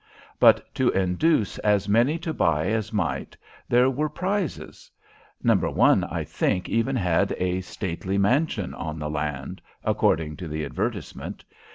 But, to induce as many to buy as might, there were prizes. No. 1, I think, even had a "stately mansion" on the land, according to the advertisement.